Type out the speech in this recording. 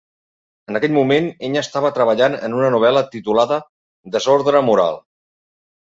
En aquell moment ell estava treballant en una novel·la titulada "Desordre moral".